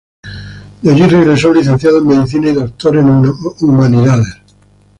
De allí regresó licenciado en Medicina y doctor en Humanidades.